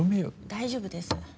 大丈夫です。